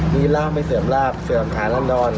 มีราบไม่เสื่อมราบเสื่อมฐานและนอน